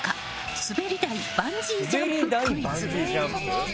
すべり台バンジージャンプクイズ。